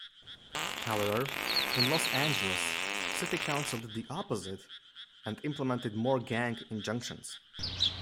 However, in Los Angeles, city council did the opposite and implemented more gang injunctions.